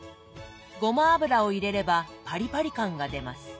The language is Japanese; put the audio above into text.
ごま油を入れればパリパリ感が出ます。